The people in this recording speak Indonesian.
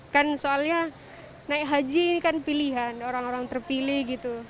kan soalnya naik haji ini kan pilihan orang orang terpilih gitu